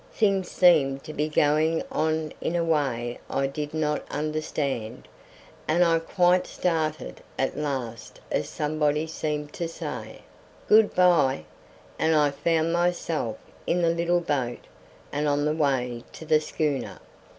Things seemed to be going on in a way I did not understand, and I quite started at last as somebody seemed to say, "Good bye," and I found myself in the little boat and on the way to the schooner.